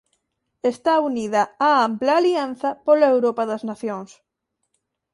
Esta unida á ampla Alianza pola Europa das Nacións.